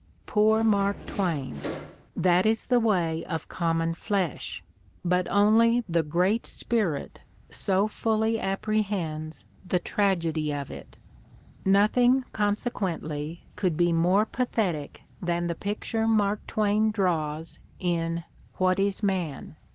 '' Poor Mark Twain ! That is the way of common flesh. But only the great spirit so fuUy appre hends the tragedy of it. Nothing, consequently, could be more pathetic than the picture Mark Twain draws, in "What Is Man?"